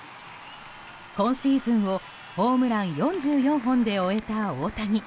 今シーズンをホームラン４４本で終えた大谷。